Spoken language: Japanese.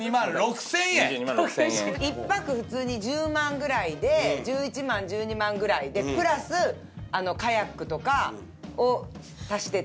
１泊普通に１０万ぐらいで１１万１２万ぐらいでプラスカヤックとかを足してって１９万。